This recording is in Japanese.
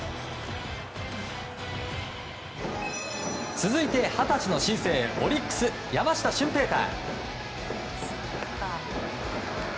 続いて２０歳の新星オリックス、山下舜平大。